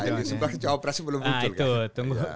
ya di sebelah cowopress belum muncul